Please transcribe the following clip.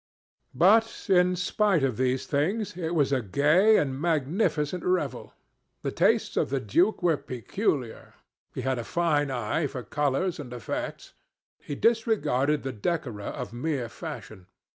But, in spite of these things, it was a gay and magnificent revel. The tastes of the duke were peculiar. He had a fine eye for colors and effects. He disregarded the decora of mere fashion.